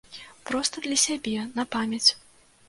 Проста для сябе, на памяць.